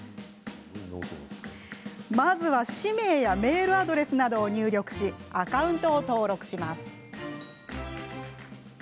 まずは、氏名やメールアドレスなどを入力しアカウントを登録します。